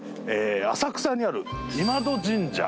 浅草にある今戸神社